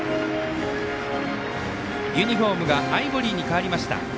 ユニフォームがアイボリーに変わりました。